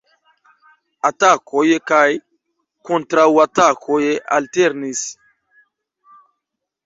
Atakoj kaj kontraŭatakoj alternis.